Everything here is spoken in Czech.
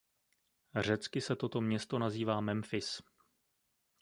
Řecky se toto město nazývá Memphis.